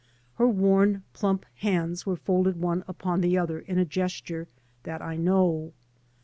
Her worn plump hands were folded one upon the other in a gesture that I know.